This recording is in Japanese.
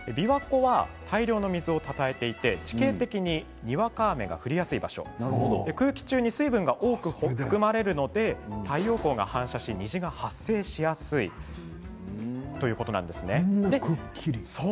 大量の水をたたえていて地形的ににわか雨が降りやすい場所で空気中に水分が多く含まれるので太陽光が反射し虹が発生しやすいということなんですね。